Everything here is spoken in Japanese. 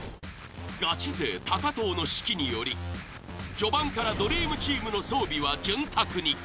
ガチ勢藤の指揮により序盤からドリームチームの装備は潤沢に。